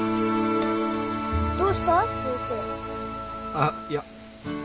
あっいや。